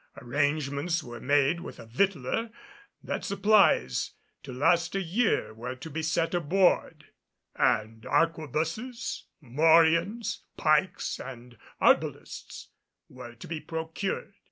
Arrangements were made with a victualer that supplies to last a year were to be set aboard; and arquebuses, morions, pikes, and arbalests were to be procured.